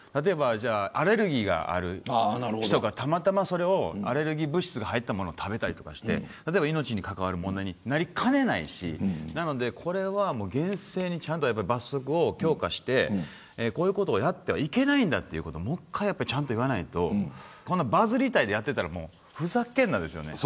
アレルギーがある人がたまたまアレルギー物質が入ったものを食べたりして命に関わる問題になりかねないしこれは厳正に罰則を強化してこういうことをやってはいけないんだということをもう１回ちゃんと言わないとバズりたいでやっていたらふざけんなですよね。